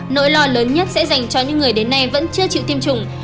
nỗi lo lớn nhất sẽ dành cho những người đến nay vẫn chưa chịu tiêm chủng